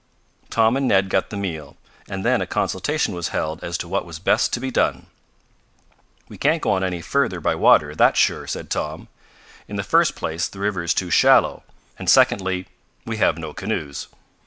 Tom and Ned got the meal, and then a consultation was held as to what was best to be done. "We can't go on any further by water, that's sure," said Tom. "In the first place the river is too shallow, and secondly we have no canoes.